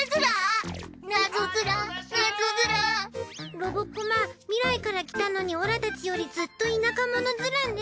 ロボコマ未来から来たのにオラたちよりずっと田舎者ズラね。